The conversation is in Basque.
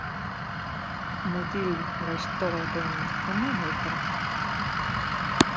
Mutil gaizto baten fama dauka.